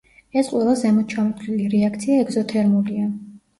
ეს ყველა ზემოთ ჩამოთვლილი რეაქცია ეგზოთერმულია.